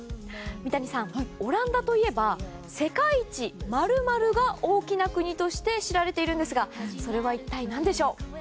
三谷さん、オランダといえば世界一○○が大きな国として知られているんですがそれは一体何でしょう？